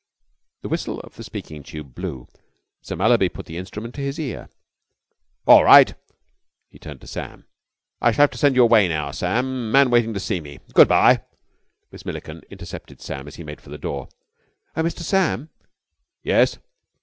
The whistle of the speaking tube blew. Sir Mallaby put the instrument to his ear. "All right," he turned to Sam. "I shall have to send you away now, Sam. Man waiting to see me. Good bye." Miss Milliken intercepted Sam as he made for the door. "Oh, Mr. Sam!" "Yes?"